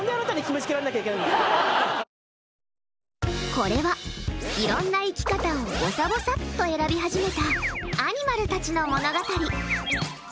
これは、いろんな生き方をぼさぼさっと選び始めたアニマルたちの物語。